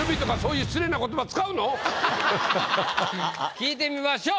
聞いてみましょう。